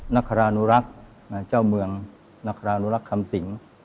นครานุรักษ์เจ้าเมืองนครานุรักษ์คำสิง